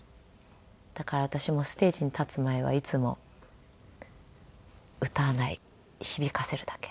だから私もステージに立つ前はいつも歌わない響かせるだけ。